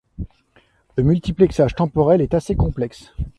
Le multiplexage temporel est assez complexe.